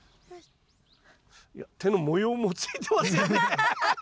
手の模様もついてますよね。